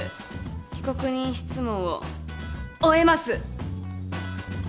被告人質問を終えます！